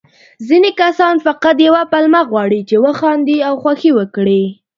ځيني کسان فقط يوه پلمه غواړي، چې وخاندي او خوښي وکړي.